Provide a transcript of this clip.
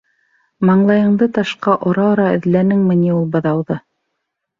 - Маңлайыңды ташҡа ора-ора эҙләнеңме ни ул быҙауҙы?